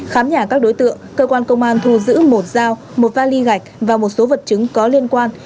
khám nhà các đối tượng cơ quan công an thu giữ một dao một vali gạch và một số vật chứng có liên quan